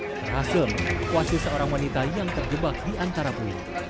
berhasil mengevakuasi seorang wanita yang terjebak di antara puing